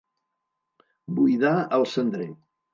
Buidar el cendrer.